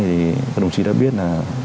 thì các đồng chí đã biết là